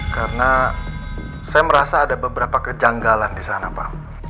karena saya merasa ada beberapa kejanggalan di sana pak